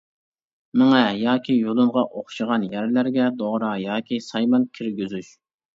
مېڭە ياكى يۇلۇنغا ئوخشىغان يەرلەرگە دورا ياكى سايمان كىرگۈزۈش.